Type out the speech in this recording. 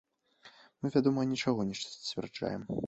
Мы, вядома, нічога не сцвярджаем.